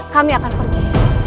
kami akan pergi